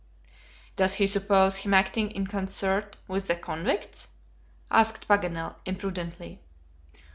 "Does he suppose him acting in concert with the convicts?" asked Paganel, imprudently.